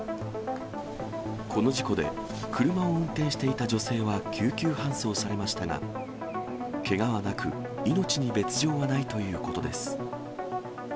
この事故で、車を運転していた女性は救急搬送されましたが、けがはなく、命に別状はないということです。